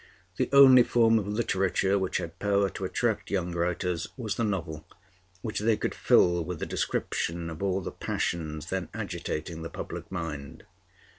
The only form of literature which had power to attract young writers was the novel, which they could fill with the description of all the passions then agitating the public mind.